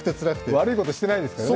悪いことしてないですからね。